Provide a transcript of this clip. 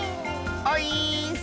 オイーッス！